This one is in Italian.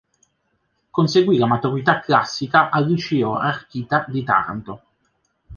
Conseguì la Maturità Classica al Liceo "Archita" di Taranto.